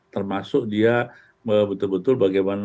termasuk dia betul betul bagaimana